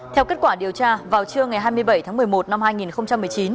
theo kết quả điều tra vào trưa ngày hai mươi bảy tháng một mươi một năm hai nghìn một mươi chín